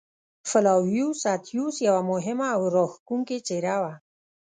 فلاویوس اتیوس یوه مهمه او راښکوونکې څېره وه.